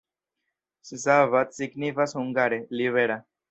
Szabad signifas hungare: libera.